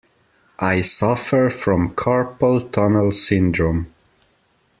I suffer from carpal tunnel syndrome.